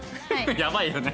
やばいよね。